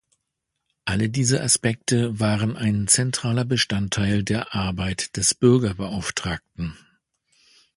Alle diese Aspekte waren ein zentraler Bestandteil der Arbeit des Bürgerbeauftragten.